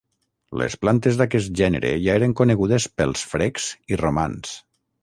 Les plantes d'aquest gènere ja eren conegudes pels frecs i romans.